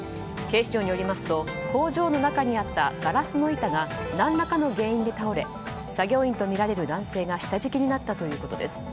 警視庁によりますと工場の中にあったガラスの板が何らかの原因で倒れ作業員とみられる男性が下敷きになったということです。